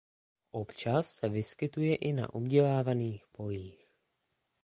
Občas se vyskytuje i na obdělávaných polích.